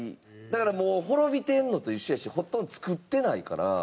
だからもう滅びてるのと一緒やしほとんど作ってないから。